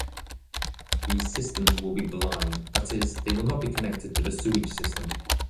These systems will be blind, that is, they will not be connected to the sewage system.